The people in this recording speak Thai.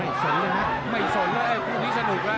ไม่สนเลยคุณพี่สนุกนะ